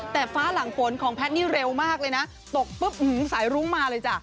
แต่ฟ้าหลังฝนของแพทย์นี่เร็วมากเลยนะตกปุ๊บสายรุ้งมาเลยจ้ะ